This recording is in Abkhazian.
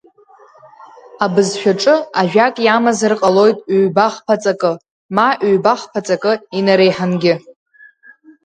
Абызшәаҿы ажәак иамазар ҟалоит ҩба-хԥа ҵакы, ма ҩба-хԥа ҵакы инареиҳангьы.